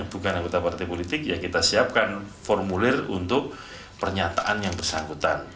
bukan anggota partai politik ya kita siapkan formulir untuk pernyataan yang bersangkutan